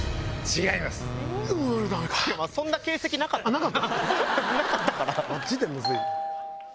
違いますか。